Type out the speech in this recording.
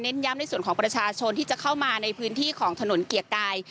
ย้ำในส่วนของประชาชนที่จะเข้ามาในพื้นที่ของถนนเกียรติกาย